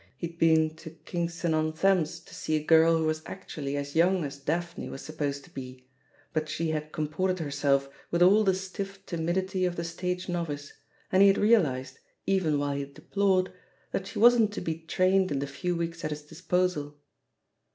He had been to Kingston on Thames to see a girl who was actually as young as "Daphne" was supposed to be, but she had comported herself with all the stifi^ timidity of the stage novice, and he had realised, even while THE POSITION OF PEGGY HARPER «8T he deplored, that she wasn^t to be trained in the few weeks at his disposal.